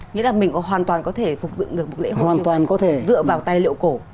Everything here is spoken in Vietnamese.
nghĩa là mình hoàn toàn có thể phục dựng được một lễ hội dựa vào tài liệu cổ